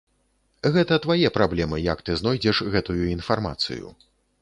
Гэта твае праблемы, як ты знойдзеш гэтую інфармацыю.